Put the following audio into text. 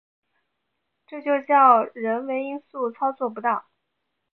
这就叫人为因素操作不当